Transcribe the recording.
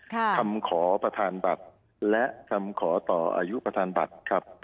คำขอประธานบัตรและคำขอต่ออายุประธานบัตรครับ